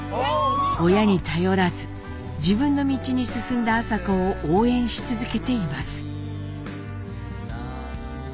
親に頼らず自分の道に進んだ麻子を応援し続けています。